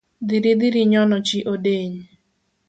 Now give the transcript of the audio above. Dhiri dhirinyono chi odeny